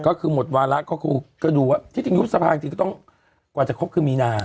ก็คือหมดวาระก็คือก็ดูว่าที่จริงยุบสภาจริงก็ต้องกว่าจะครบคือมีนา